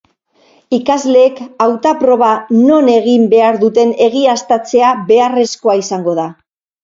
Ikasleek hauta-proba non egin behar duten egiaztatzea beharrezkoa izango da.